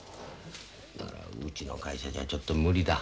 うちの会社じゃちょっと無理だ。